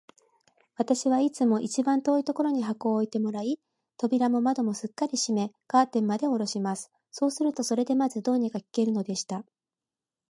私はいつも一番遠いところに箱を置いてもらい、扉も窓もすっかり閉め、カーテンまでおろします。そうすると、それでまず、どうにか聞けるのでした。